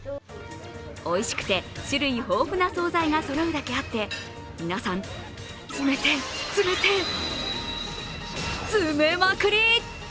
おいしくて種類豊富な総菜がそろうだけあって皆さん、詰めて、詰めて、詰めまくり。